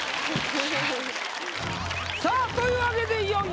さぁというわけでいよいよ。